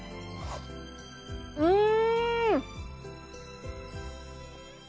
うん！